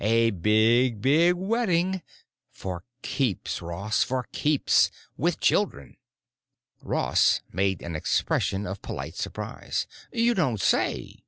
"A big, big wedding. For keeps, Ross—for keeps. With children!" Ross made an expression of polite surprise. "You don't say!"